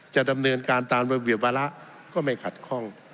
จะดำเนินการตามระเบียบวาระก็ไม่ขัดข้อง